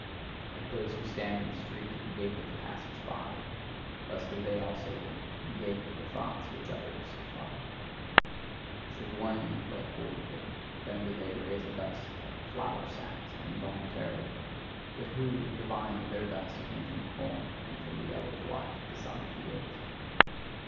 Like those who stand in the street and gape at the passers by: thus do they also wait, and gape at the thoughts which others have thought. Should one lay hold of them, then do they raise a dust like flour sacks, and involuntarily: but who would divine that their dust came from corn, and from the yellow delight of the summer fields?